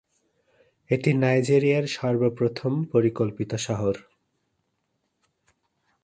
এটি নাইজেরিয়ার সর্বপ্রথম পরিকল্পিত শহর।